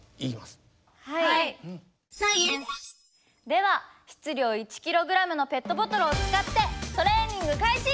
では質量１ｋｇのペットボトルを使ってトレーニング開始！